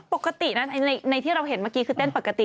ปกตินะในที่เราเห็นเมื่อกี้คือเต้นปกติ